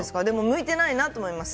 向いていないと思います。